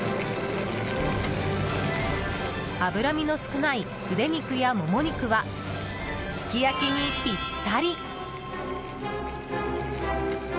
脂身の少ないうで肉やモモ肉はすき焼きにぴったり。